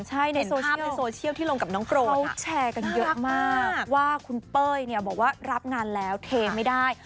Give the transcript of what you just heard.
ใช่ในโซเชียลเขาแชร์กันเยอะมากว่าคุณเป้ยเนี่ยบอกว่ารับงานแล้วเทไม่ได้